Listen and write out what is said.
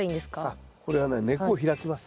あっこれはね根っこを開きます。